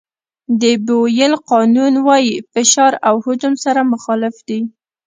د بویل قانون وایي فشار او حجم سره مخالف دي.